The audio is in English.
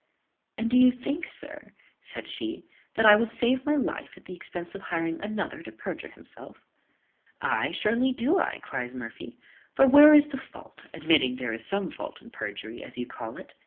"And do you think, sir," said she, "that I would save my life at the expense of hiring another to perjure himself?" "Ay, surely do I," cries Murphy; "for where is the fault, admitting there is some fault in perjury, as you call it?